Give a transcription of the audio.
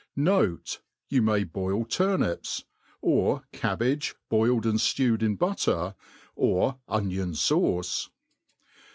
Note, You may boil turnips, or cabbage, boiled and ftewed in butter, or onion fauce.